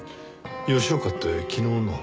吉岡って昨日の？